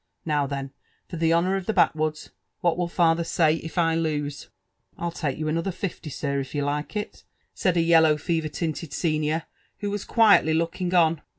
Now, then, for the honour of thn backwoods i What will father say if I lose T ''I'll take you another fifty, sir, if you like it/' said a yellow feverr tinted senior who was quietly lookin^^ on.